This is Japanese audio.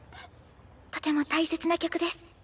とても大切な曲です。